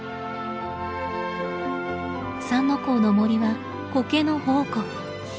三之公の森はコケの宝庫。